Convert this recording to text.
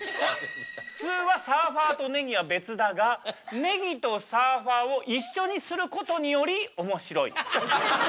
ふつうはサーファーとねぎは別だがねぎとサーファーを一緒にすることによりおもしろい。